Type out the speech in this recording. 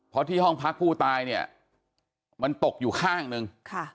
เพราะที่ห้องพักผู้ตายเนี่ยมันตกอยู่ข้างนึง